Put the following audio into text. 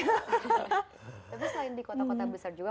tapi selain di kota kota besar juga